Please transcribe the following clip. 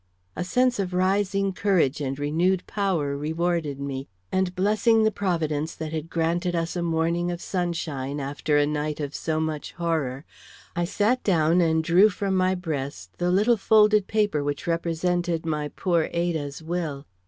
A sense of rising courage and renewed power rewarded me; and blessing the Providence that had granted us a morning of sunshine after a night of so much horror, I sat down and drew from my breast the little folded paper which represented my poor Ada's will.